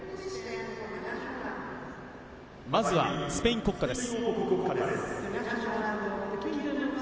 まずはスペイン国歌です。